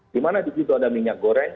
dimana begitu ada minyak goreng